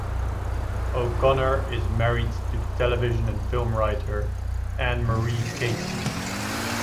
O'Connor is married to the television and film writer, Anne-Marie Casey.